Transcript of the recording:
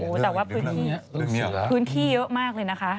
แต่ว่าพื้นที่เยอะมากเลยนะคะ